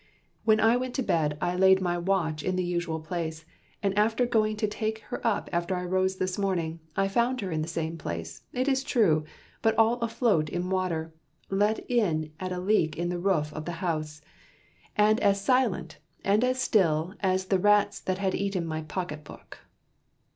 When I went to bed I laid my watch in the usual place, and going to take her up after I arose this morning, I found her in the same place, it is true, but all afloat in water, let in at a leak in the roof of the house, and as silent, and as still as the rats that had eaten my pocket book.